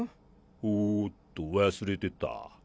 おっと忘れてた。